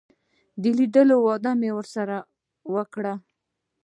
د لیدلو وعده مې ورسره وکړه.